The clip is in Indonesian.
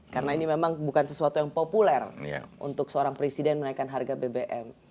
karena ini memang bukan sesuatu yang populer untuk seorang presiden menaikkan harga bbm